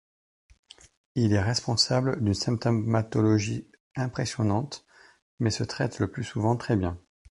Il est responsable d'une symptomatologie impressionnante, mais se traite le plus souvent très bien.